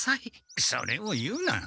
それを言うな。